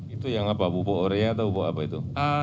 itu yang apa pupuk oria atau pupuk apa itu